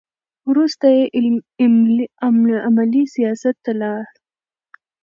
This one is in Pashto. وروسته یې عملي سیاست ته لاړ.